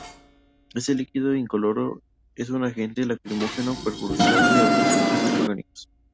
Este líquido incoloro es un agente lacrimógeno, precursor de otros compuestos orgánicos.